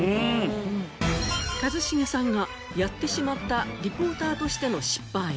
一茂さんがやってしまったリポーターとしての失敗。